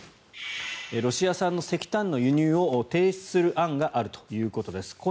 ロシア産の石炭の輸入を停止する案があるということです。